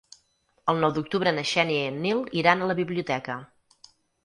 El nou d'octubre na Xènia i en Nil iran a la biblioteca.